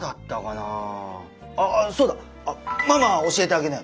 あっそうだママ教えてあげなよ。